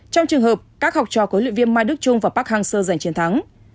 trong trường hợp các học trò huấn luyện viên mai đức trung và park hang seo giành chiến thắng